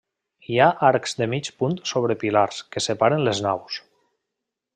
Hi ha arcs de mig punt sobre pilars, que separen les naus.